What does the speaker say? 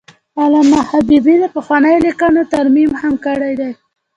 علامه حبیبي د پخوانیو لیکنو ترمیم هم کړی دی.